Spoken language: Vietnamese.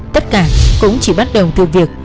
tất cả cũng chỉ bắt đầu từ việc